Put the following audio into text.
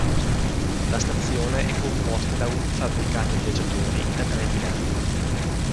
La stazione è composta da un fabbricato viaggiatori e da tre binari.